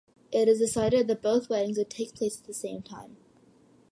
It is decided that both weddings would take place at the same time.